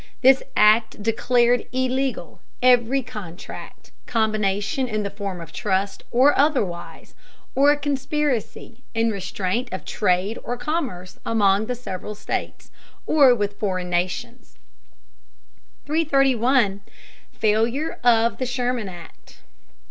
This Act declared illegal "every contract, combination in the form of trust or otherwise, or conspiracy, in restraint of trade or commerce among the several States, or with foreign nations." 331. FAILURE OF THE SHERMAN ACT.